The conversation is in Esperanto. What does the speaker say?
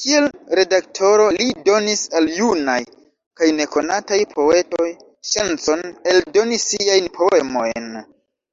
Kiel redaktoro, li donis al junaj kaj nekonataj poetoj ŝancon eldoni siajn poemojn.